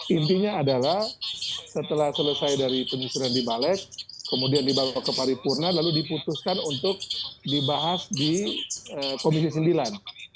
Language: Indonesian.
intinya adalah setelah selesai dari penyusuran di balek kemudian dibawa ke paripurna lalu diputuskan untuk dibahas di komisi sembilan